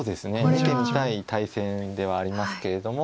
見てみたい対戦ではありますけれども。